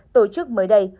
tổ chức mới đây